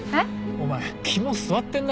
お前肝据わってんな。